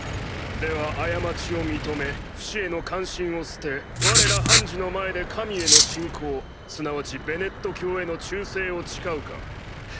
では過ちを認めフシへの関心を捨て我ら判事の前で神への信仰すなわちベネット教への忠誠を誓うか。